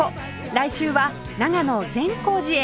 来週は長野善光寺へ